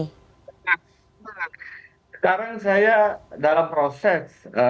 sekarang saya dalam proses